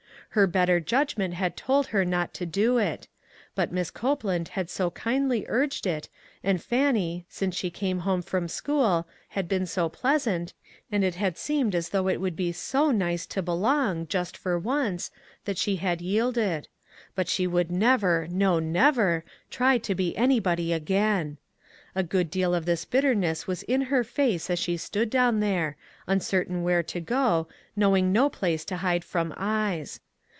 Her better judg ment had told her not to do it; but Mrs. Copeland had so kindly urged it and Fan nie, since she came home from school, had been so pleasant, and it had seemed as though it would be no nice to belong, just for once, that she had yielded ; but she would never, no, never, try to be anybody a^ain ! A good deal of this bitterness was in her face as she stood down there, un certain where to go, knowing no place to hide from eyes.